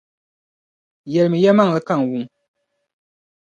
Yεlimi yεlimaŋli ka n wum.